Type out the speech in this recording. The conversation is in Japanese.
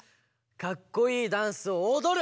かっこいいダンスをおどる！